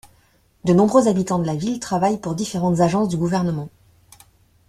De nombreux habitants de la ville travaillent pour différentes agences du gouvernement.